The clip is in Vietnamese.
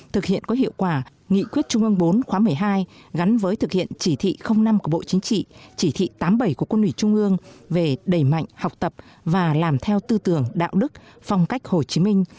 thực hiện có hiệu quả nghị quyết trung ương bốn khóa một mươi hai gắn với thực hiện chỉ thị năm của bộ chính trị chỉ thị tám mươi bảy của quân ủy trung ương về đẩy mạnh học tập và làm theo tư tưởng đạo đức phong cách hồ chí minh